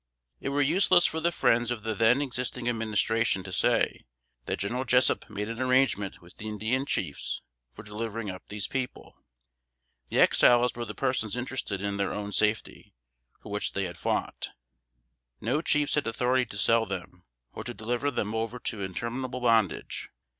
It were useless for the friends of the then existing Administration to say, that General Jessup made an arrangement with the Indian chiefs for delivering up these people. The Exiles were the persons interested in their own safety, for which they had fought. No chiefs had authority to sell them, or to deliver them over to interminable bondage.